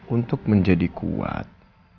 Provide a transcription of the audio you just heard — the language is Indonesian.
untuk menjadi kuat